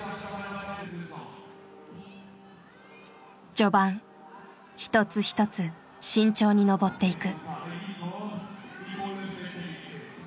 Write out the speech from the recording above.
序盤一つ一つ慎重に登っていく。